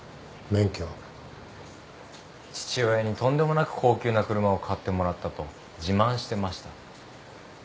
父親にとんでもなく高級な車を買ってもらったと自慢してました。